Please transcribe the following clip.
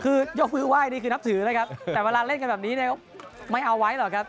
คือยกมือไหว้นี่คือนับถือนะครับแต่เวลาเล่นกันแบบนี้เนี่ยไม่เอาไว้หรอกครับ